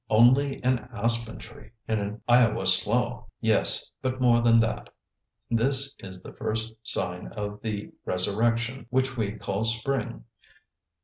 Only an aspen tree in an Iowa slough! Yes, but more than that. This is the first sign of the resurrection which we call spring.